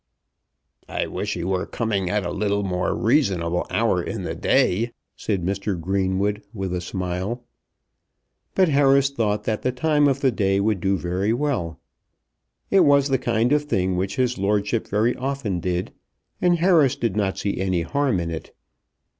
"I wish he were coming at a little more reasonable hour in the day," said Mr. Greenwood with a smile. But Harris thought that the time of the day would do very well. It was the kind of thing which his lordship very often did, and Harris did not see any harm in it.